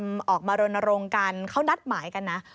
มันออกมารณรงค์กันเขานัดหมายกันนะ